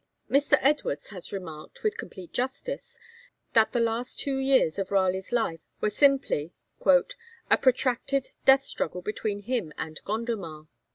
Mr. Edwards has remarked, with complete justice, that the last two years of Raleigh's life were simply 'a protracted death struggle between him and Gondomar.'